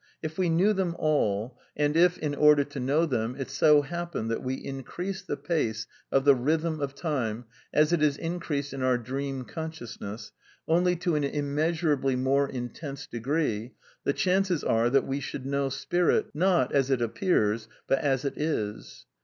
If we knew them all, and if, in order to know them, it so hap pened that we increased the pace of the rhythm of time as it is increased in our dream consciousness, only to an im measurably more intense degree, the chances are that we should know Spirit, not as it appears, but as it is.